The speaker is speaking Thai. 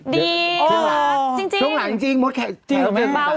ดีเหรอช่วงหลังจริงมดแขกรับเชิญกว่าแบบนั้นนะจริง